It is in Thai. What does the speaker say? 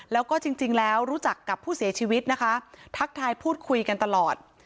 แล้วก็จริงแล้วรู้จักกับผู้เสียชีวิตนะคะทักทายพูดคุยกันตลอด